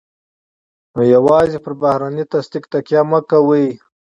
نو يوازې پر بهرني تصديق تکیه مه کوئ.